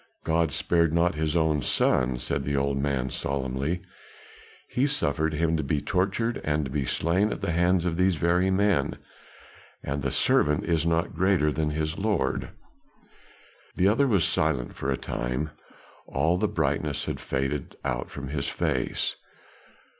"God spared not his own son," said the old man solemnly. "He suffered him to be tortured and to be slain at the hands of these very men; and the servant is not greater than his Lord." The other was silent for a time; all the brightness had faded out from his face.